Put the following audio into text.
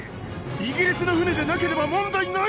イギリスの船でなければ問題ない！